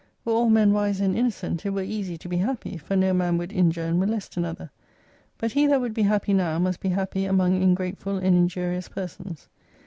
Were all men wise and innocent, it were easy to be happy, for no man would injure and molest another. But he that would be happy now, must be happy among ingrateful and injurious persons.